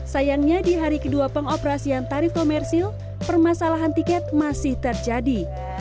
sayangnya di hari kedua pengoperasian tarif komersil permasalahan tiket masih terjadi